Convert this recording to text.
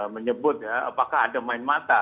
menyebut ya apakah ada main mata